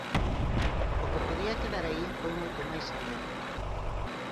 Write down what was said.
O que podía quedar aí foi moito máis aló.